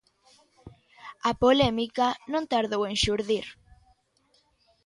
A polémica non tardou en xurdir.